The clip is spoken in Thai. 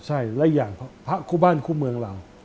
ใช่และอย่างพระคู่บ้านคู่เมืองเรา